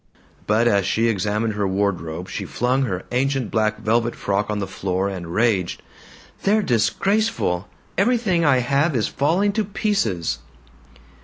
But as she examined her wardrobe she flung her ancient black velvet frock on the floor and raged, "They're disgraceful. Everything I have is falling to pieces."